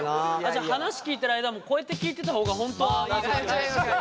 じゃあ話聞いてる間もこうやって聞いてた方が本当はいい？